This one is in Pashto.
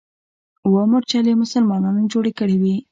اوه مورچلې مسلمانانو جوړې کړې وې.